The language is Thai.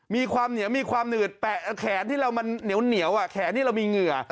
มีความเหนียวมีความหนืดแปะแขนที่เรามันเหนียวแขนนี่เรามีเหงื่อ